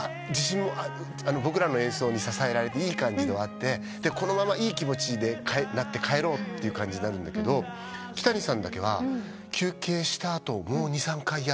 僕らの演奏に支えられていい感じで終わってこのままいい気持ちになって帰ろうって感じになるんだけどキタニさんだけは「休憩した後もう２３回やっていいですか」